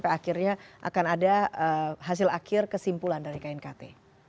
akhirnya akan ada hasil akhir kesimpulan dari knkt